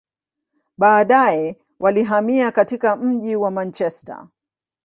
Baadaye, walihamia katika mji wa Manchester.